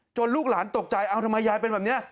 ลูกหลานตกใจเอาทำไมยายเป็นแบบนี้